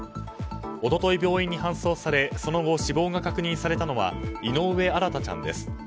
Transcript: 一昨日、病院に搬送されその後、死亡が確認されたのは井上新大ちゃんです。